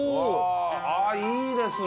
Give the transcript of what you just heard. あっいいですね